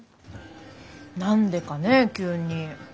何でかね急に。